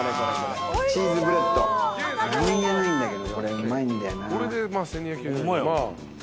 何げないんだけどこれうまいんだよな。